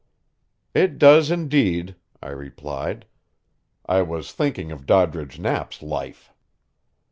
"It does indeed," I replied. I was thinking of Doddridge Knapp's life.